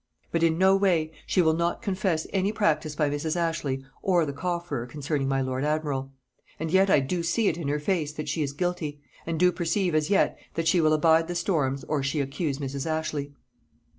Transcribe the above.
But in no way she will not confess any practice by Mrs. Ashley or the cofferer concerning my lord admiral; and yet I do see it in her face that she is guilty, and do perceive as yet that she will abide the storms or she accuse Mrs. Ashley.